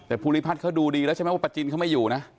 แต่ภูริพัฒน์เขาดูดีแล้วใช่ไหมว่าประจินเขาไม่อยู่นะ